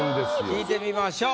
聞いてみましょう。